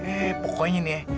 eh pokoknya ini ee